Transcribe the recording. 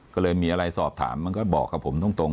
ก็เลยมีอะไรสอบถามมันก็บอกกับผมตรง